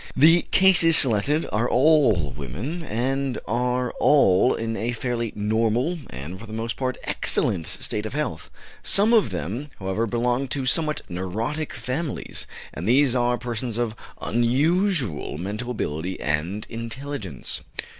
The cases selected are all women, and are all in a fairly normal, and, for the most part, excellent, state of health; some of them, however, belong to somewhat neurotic families, and these are persons of unusual mental ability and intelligence.